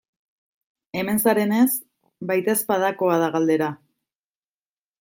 Hemen zarenez, baitezpadakoa da galdera.